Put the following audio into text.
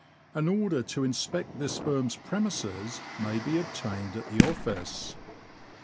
An order to inspect this firm's premises may be obtained at the office.